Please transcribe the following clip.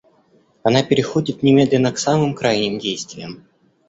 Она переходит немедленно к самым крайним действиям.